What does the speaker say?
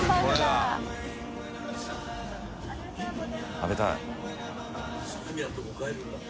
食べたい。